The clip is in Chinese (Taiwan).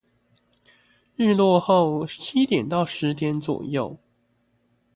日落後七點到十點左右